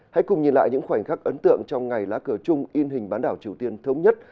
hãy cùng nhìn lại những khoảnh khắc ấn tượng trong ngày lá cờ chung in hình bán đảo triều tiên thống nhất